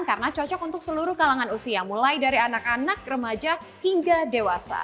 karena cocok untuk seluruh kalangan usia mulai dari anak anak remaja hingga dewasa